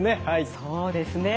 そうですね。